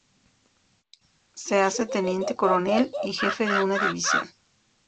Se hace teniente coronel y jefe de una división.